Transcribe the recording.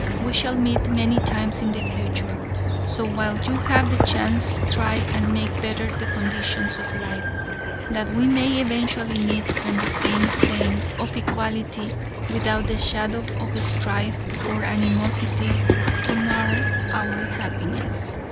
We shall meet many times in the future, so while you have the chance try and make better the conditions of life, that we may eventually meet on the same plane of equality without the shadow of strife or animosity to mar our happiness.